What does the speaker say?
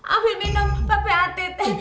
ambil minum bapak atik